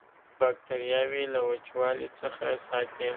باکتریاوې له وچوالي څخه ساتي.